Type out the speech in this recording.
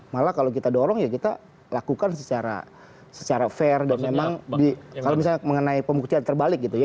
malah kalau kita dorong ya kita lakukan secara fair dan memang kalau misalnya mengenai pembuktian terbalik gitu ya